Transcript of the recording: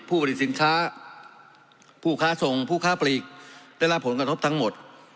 ผลิตสินค้าผู้ค้าส่งผู้ค้าปลีกได้รับผลกระทบทั้งหมด